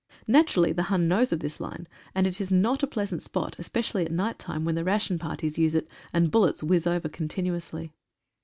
Naturally, the Hun knows of this line, and it is not a pleasant spot, especially at night time, when the ration parties use it, and bullets whizz over continuously.